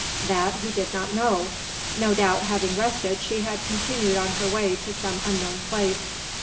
That he did not know. No doubt, having rested, she had continued on her way to some unknown place.